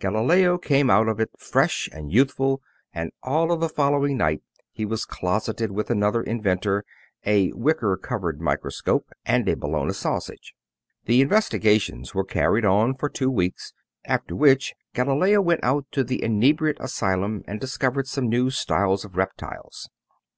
Galileo came out of it fresh and youthful, and all of the following night he was closeted with another inventor, a wicker covered microscope, and a bologna sausage. The investigations were carried on for two weeks, after which Galileo went out to the inebriate asylum and discovered some new styles of reptiles.